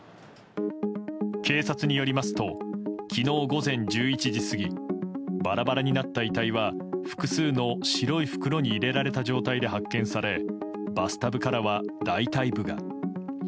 警察によりますと昨日午前１１時過ぎバラバラになった遺体は複数の白い袋に入れられた状態で発見されバスタブからは大腿部が。